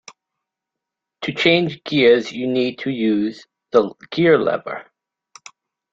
To change gears you need to use the gear-lever